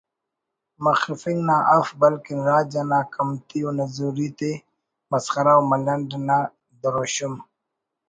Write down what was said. مخفنگ نا اف بلکن راج انا کمتی و نزوری تے مسخرہ و ملنڈ نا دروشم